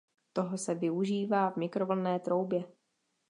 Toho se využívá v mikrovlnné troubě.